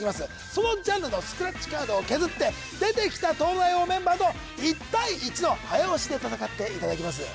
そのジャンルのスクラッチカードを削って出てきた東大王メンバーと１対１の早押しで戦っていただきます